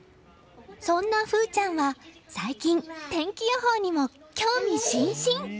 そんな風音ちゃんは最近、天気予報にも興味津々。